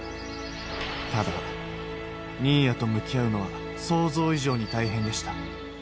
ただ、新谷と向き合うのは、想像以上に大変でした。